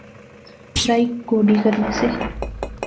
رائی گوڈی کرنے سے